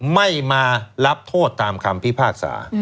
ไม่มารับโทษตามคำพิพากษา